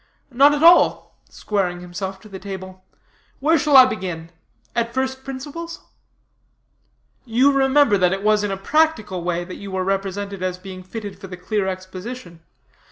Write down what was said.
"None at all," squaring himself to the table. "Where shall I begin? At first principles?" "You remember that it was in a practical way that you were represented as being fitted for the clear exposition.